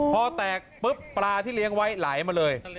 พอแตกปุ๊บปลาที่เลี้ยงไว้ไหลมาเลย